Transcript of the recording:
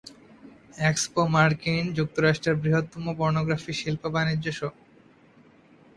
Expo মার্কিন যুক্তরাষ্ট্রের বৃহত্তম পর্নোগ্রাফি শিল্প বাণিজ্য শো।